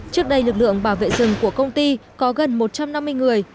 trước đây lực lượng bảo vệ rừng của công ty có gần một trăm năm mươi người